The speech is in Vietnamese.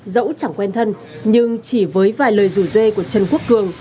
dẫu chẳng quen thân nhưng chỉ với vài lời rủ dê của trần quốc cường